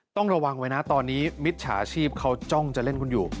ต้องระวังไว้นะตอนนี้มิจฉาชีพเขาจ้องจะเล่นคุณอยู่